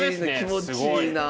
気持ちいいな。